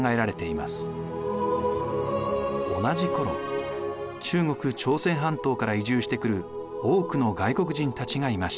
同じ頃中国朝鮮半島から移住してくる多くの外国人たちがいました。